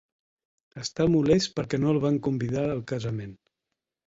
Està molest perquè no el van convidar al casament.